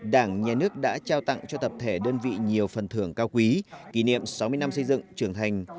đảng nhà nước đã trao tặng cho tập thể đơn vị nhiều phần thưởng cao quý kỷ niệm sáu mươi năm xây dựng trưởng thành